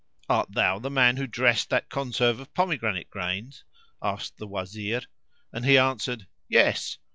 "Art thou the man who dressed that conserve of pomegranate grains?"; asked the Wazir, and he answered "Yes!